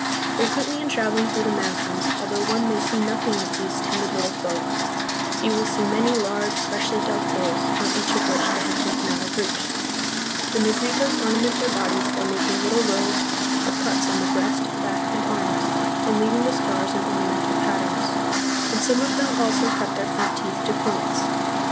Frequently in travel ing through the mountains, although one may see nothing of these timid little folk, he will see many large, freshly dug holes from each of which they have taken out a root. The Negritos ornament their bodies by making little rows of cuts on the breast, back, and arms, and leaving the scars in ornamental patterns; and some of them also cut their front teeth to points.